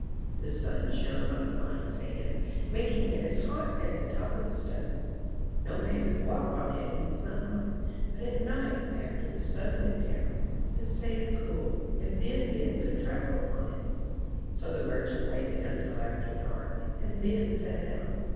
The sun shone on the fine sand, making it as hot as the top of a stove. No man could walk on it in the sunlight. But at night, after the sun went down, the sand cooled, and then men could travel upon it. So the merchant waited until after dark, and then set out.